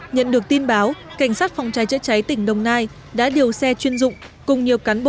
nhận được tin báo cảnh sát phòng cháy chữa cháy tỉnh đồng nai đã điều xe chuyên dụng